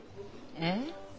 えっ？